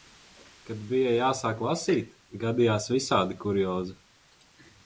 Kad bija jāsāk lasīt, gadījās visādi kuriozi.